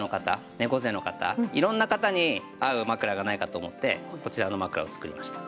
猫背の方色んな方に合う枕がないかと思ってこちらの枕を作りました。